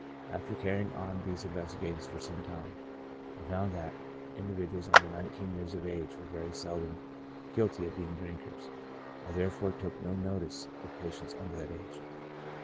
After carrying on these investigations for some time, I found that individuals under nineteen years of age were very seldom guilty of being drinkers ; I therefore took no notice of patients under that age.